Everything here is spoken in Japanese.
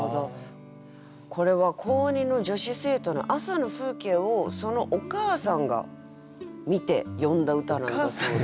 これは高２の女子生徒の朝の風景をそのお母さんが見て詠んだ歌なんだそうで。